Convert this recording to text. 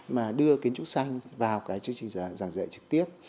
mà đưa kiến trúc xanh vào cái chương trình giảng dạy trực tiếp